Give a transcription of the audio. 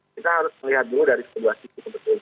kita harus melihat dulu dari kedua sisi sebetulnya